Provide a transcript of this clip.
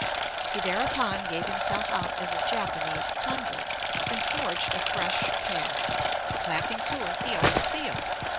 He thereupon gave himself out as a Japanese convert, and forged a fresh pass, 'clapping to it the old seal' (p.